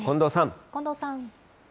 近藤さん。